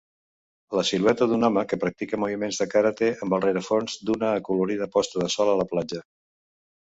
La silueta d'un home que practica moviments de karate amb el rerefons d'una acolorida posta de sol a la platja.